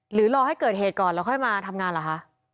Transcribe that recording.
รอให้เกิดเหตุก่อนแล้วค่อยมาทำงานเหรอคะ